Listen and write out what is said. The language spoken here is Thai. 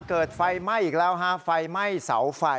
เกิดไฟไหม้อีกแล้วฮะไฟไหม้เสาไฟ